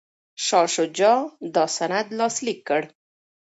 شاه شجاع دا سند لاسلیک کړ.